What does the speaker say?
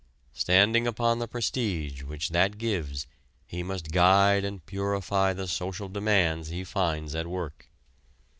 Standing upon the prestige which that gives he must guide and purify the social demands he finds at work.